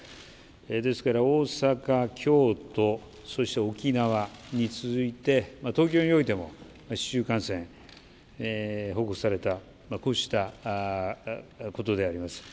ですから、大阪、京都、そして沖縄に続いて、東京においても市中感染、報告された、こうしたことであります。